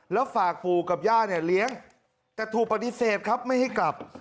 แล้วฝากปู่กับย่าเนี่ยเลี้ยงแต่ถูกปฏิเสธครับไม่ให้กลับ